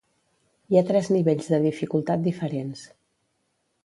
Hi ha tres nivells de dificultat diferents.